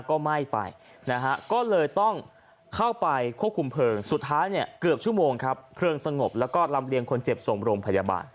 ก็ไหม้ไปนะฮะก็เลยต้องเข้าไปควบคุมเพลิงสุดท้ายเนี่ยเกือบชั่วโมงครับเพลิงสงบแล้วก็ลำเลียงคนเจ็บส่งโรงพยาบาล